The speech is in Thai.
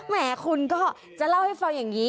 แหมคุณก็จะเล่าให้ฟังอย่างนี้